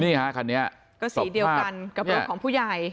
นี่ฮะคันนี้ก็สีเดียวกันกับรถของผู้ใหญ่